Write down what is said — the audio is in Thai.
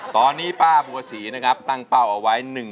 ตอนนี้ป้าบุญศรีนะครับตั้งเป้าเอาไว้๑๖๐๐๐บาท